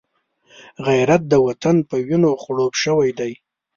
غیرت د وطن په وینو خړوب شوی دی